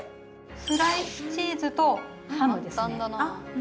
スライスチーズとハムですね。